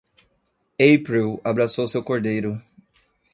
April abraçou seu cordeiro.